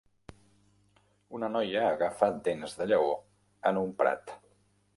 Una noia agafa dents de lleó en un prat.